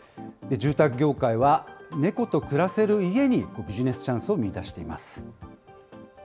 住宅業界は猫と暮らせる家にビジネスチャンスを見いだしています。